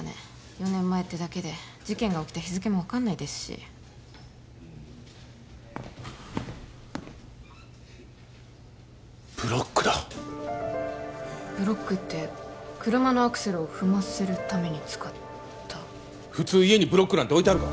４年前ってだけで事件が起きた日付も分かんないですしブロックだブロックって車のアクセルを踏ませるために使った普通家にブロックなんて置いてあるか？